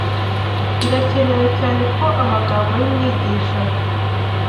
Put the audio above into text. birakenewe cyane ko amagambo y’umwigisha,